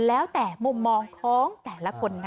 แล้วแต่มุมมองของแต่ละคนนะคะ